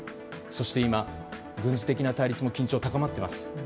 そして今、軍事的対立の緊張も高まっています。